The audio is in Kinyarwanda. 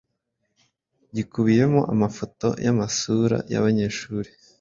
gikubiyemo amafoto y’amasura y’abanyeshuri